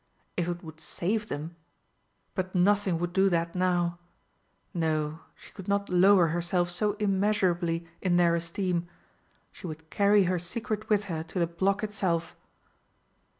If it would save them but nothing would do that now! No, she could not lower herself so immeasurably in their esteem; she would carry her secret with her to the block itself!